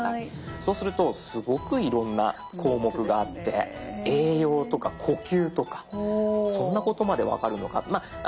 そうするとすごくいろんな項目があって「栄養」とか「呼吸」とかそんなことまで分かるのか。